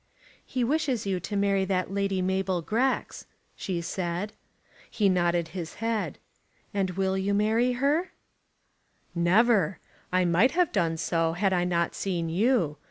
"He wishes you to marry that Lady Mabel Grex," she said. He nodded his head. "And you will marry her?" "Never! I might have done so, had I not seen you.